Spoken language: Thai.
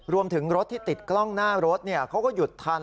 รวมถึงรถที่ติดกล้องหน้ารถเขาก็หยุดทัน